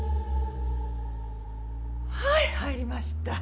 はい入りました